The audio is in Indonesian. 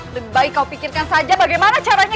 lebih baik kau pikirkan saja bagaimana caranya